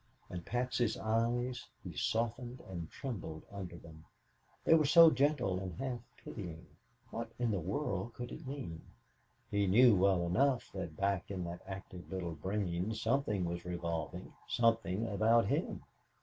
And Patsy's eyes he softened and trembled under them. They were so gentle and half pitying. What in the world could it mean? He knew well enough that back in that active little brain something was revolving something about him.